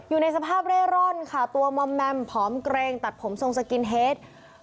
อยู่ในสภาพเร่ร่อนค่ะตัวมอมแมมผอมเกรงตัดผมทรงสกินเฮด